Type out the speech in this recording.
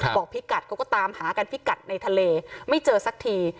บอกพี่กัดเขาก็ตามหากันพิกัดในทะเลไม่เจอสักที